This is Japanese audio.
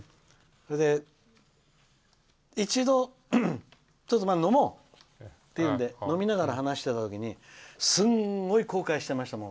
それで、一度飲もうっていうので飲みながら話してた時にすごい後悔してましたもん。